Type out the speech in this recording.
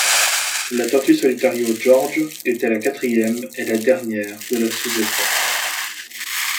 La tortue Solitario George était la quatrième et la dernière de la sous-espèce.